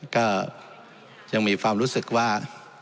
ก็ยังมีความรู้สึกว่า